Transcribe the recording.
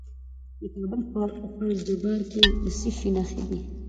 د کابل په خاک جبار کې د څه شي نښې دي؟